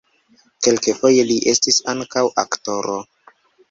Kelkfoje li estis ankaŭ aktoro.